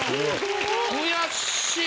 悔しい！